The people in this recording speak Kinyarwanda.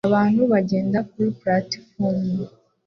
Abantu bagenda kuri platifomu